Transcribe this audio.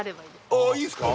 ああいいですか？